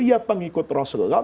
ya pengikut rasulullah